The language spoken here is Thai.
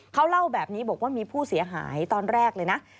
เขาเล่าแบบนี้บอกว่ามีผู้เสียหายตอนแรกเลยนะ